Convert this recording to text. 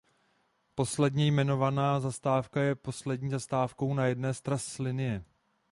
Posledně jmenovaná zastávka je poslední zastávkou na jedné z tras linie.